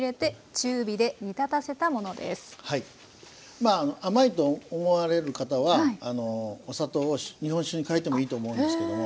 まああの甘いと思われる方はお砂糖を日本酒に替えてもいいと思うんですけども。